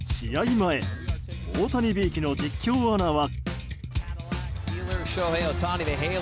前大谷びいきの実況アナは。